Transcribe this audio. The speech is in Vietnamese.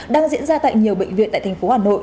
đang diễn ra tại nhiều bệnh viện tại thành phố hà nội